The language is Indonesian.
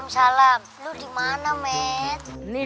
jangan lupa like subscriber dan subscribe channel